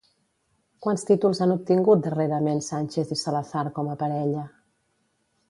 Quants títols han obtingut darrerament Sánchez i Salazar, com a parella?